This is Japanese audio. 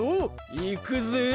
いくぜ！